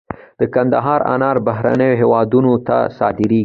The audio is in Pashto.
د کندهار انار بهرنیو هیوادونو ته صادریږي